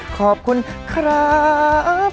ขอบคุณครับ